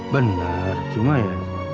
benar cuma ya